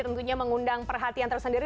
tentunya mengundang perhatian tersendiri